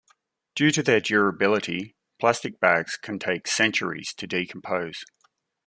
Due to their durability, plastic bags can take centuries to decompose.